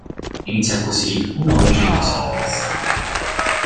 Inizia così un nuovo giro di scommesse.